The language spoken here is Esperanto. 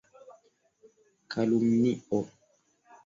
Kalumnio.